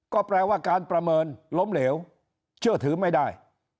ก็แปลว่าการประเมินล้มเหลวเชื่อถือไม่ได้